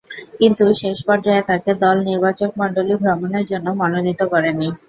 কিন্তু, শেষ পর্যায়ে তাকে দল নির্বাচকমণ্ডলী ভ্রমণের জন্যে মনোনীত করেনি।